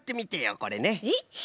これね。